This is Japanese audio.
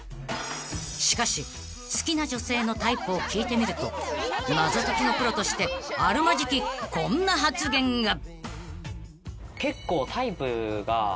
［しかし好きな女性のタイプを聞いてみると謎解きのプロとしてあるまじきこんな発言が］